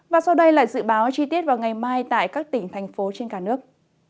và sau đây là dự báo chi tiết vào ngày mai tại các tỉnh thành phố trên cả nước